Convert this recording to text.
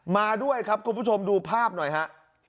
มาด้วยครับคุณผู้ชมดูภาพหน่อยฮะ